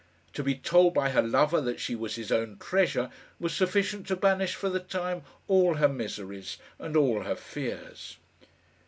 To be told by her lover that she was his own treasure, was sufficient to banish for the time all her miseries and all her fears.